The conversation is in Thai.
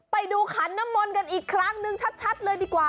ไปดูขันน้ำมนต์กันอีกครั้งนึงชัดเลยดีกว่า